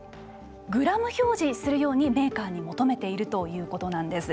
グラム表示するようにメーカーに求めているということなんです。